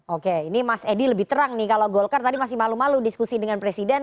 oke ini mas edi lebih terang nih kalau golkar tadi masih malu malu diskusi dengan presiden